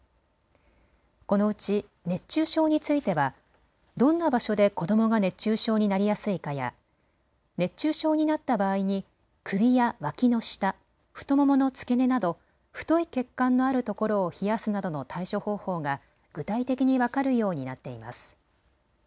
このうち熱中症についてはどんな場所で子どもが熱中症になりやすいかや熱中症になった場合に首やわきの下、太ももの付け根など太い血管のあるところを冷やすなどの対処方法が具体的に分かるようになっています。